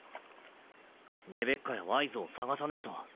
レベッカやワイズを捜さねぇと。